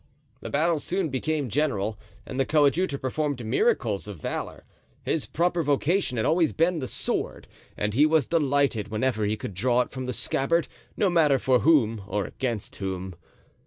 The battle soon became general and the coadjutor performed miracles of valor. His proper vocation had always been the sword and he was delighted whenever he could draw it from the scabbard, no matter for whom or against whom.